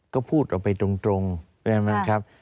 ก็พูดออกไปตรงอย่างนั้นครับ